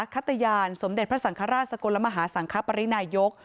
ขตยานสมเด็จพระสังฆราชสกลมหาสังคปรินายก